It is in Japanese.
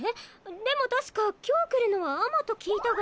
でも確か今日来るのは尼と聞いたが。